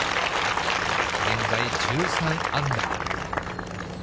現在１３アンダー。